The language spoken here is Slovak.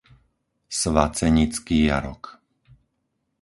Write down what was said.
Svacenický jarok